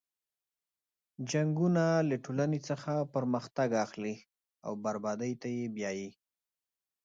جنګونه له ټولنې څخه پرمختګ اخلي او بربادۍ ته یې بیایي.